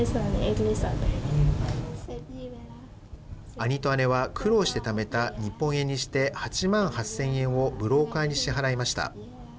兄と姉は、苦労してためた日本円にして８万８０００円をブローカーに支払いました。